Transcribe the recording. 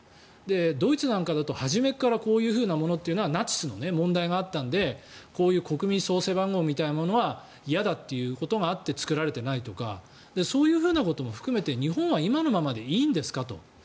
ドイツなんかだと初めからこういうものはナチスの問題があったのでこういう国民総背番号みたいなものは嫌だということがあって作られていないとかそういうことも含めて日本は今のままでいいんですかと。